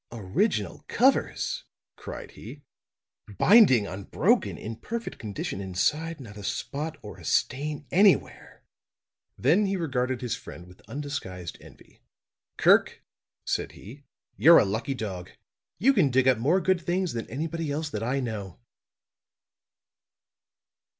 "Original covers!" cried he. "Binding unbroken; in perfect condition inside; not a spot or a stain anywhere." Then he regarded his friend with undisguised envy. "Kirk," said he, "you're a lucky dog. You can dig up more good things than anybody else that I know."